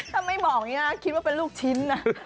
ถ้าไม่บอกอย่างนี้นะคิดว่าเป็นลูกชิ้นนะ